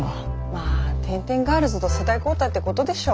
まあ天天ガールズと世代交代ってことでしょ。